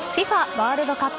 ワールドカップ